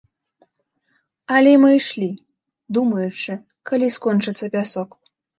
Але мы ішлі, думаючы, калі скончыцца пясок.